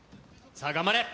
さあ、頑張れ。